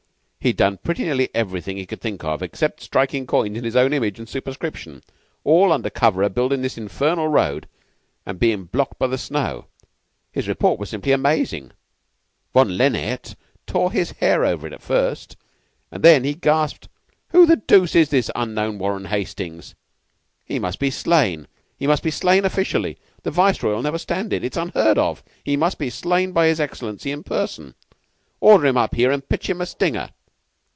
"He'd done pretty nearly everything he could think of, except strikin' coins in his own image and superscription, all under cover of buildin' this infernal road and bein' blocked by the snow. His report was simply amazin'. Von Lennaert tore his hair over it at first, and then he gasped, 'Who the dooce is this unknown Warren Hastings? He must be slain. He must be slain officially! The Viceroy'll never stand it. It's unheard of. He must be slain by his Excellency in person. Order him up here and pitch in a stinger.